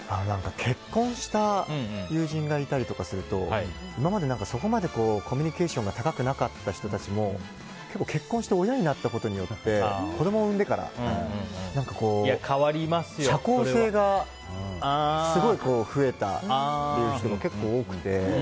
結婚した友人がいたりとかすると、今までコミュニケーションが高くなかった人たちも結構、結婚して親になったことによって子供を産んでから社交性がすごい増えたという人が結構多くて。